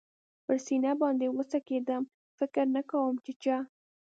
پر سینه باندې و څکېدم، فکر نه کوم چې چا.